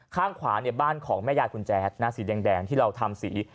ข้างขวาเนี่ยบ้านของแม่ยายคุณแจ๊ดนะสีแดงที่เราทำสี